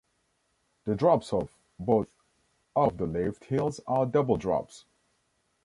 The drops off both of the lift hills are double-drops.